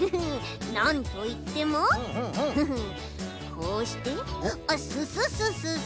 なんといってもフフッこうしてあっススススス。